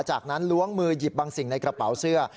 จากนั้นล้วงมือหยิบบางสิ่งในกระเป๋าเสื้อ